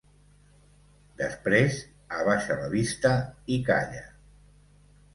Després abaixa la vista i calla.